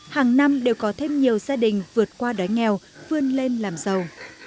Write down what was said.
hàng năm đều có thêm nhiều gia đình vượt qua đói nghèo vươn lên làm giàu